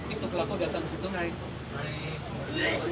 itu pelaku datang ke situ naik